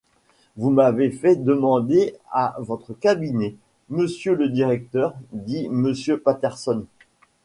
Vous m’avez fait demander à votre cabinet, monsieur le directeur?... dit Monsieur Patterson.